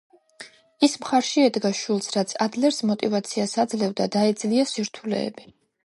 ის მხარში ედგა შვილს, რაც ადლერს მოტივაციას აძლევდა დაეძლია სირთულეები.